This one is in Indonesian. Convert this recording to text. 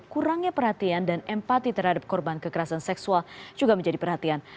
kurangnya perhatian dan empati terhadap korban kekerasan seksual juga menjadi perhatian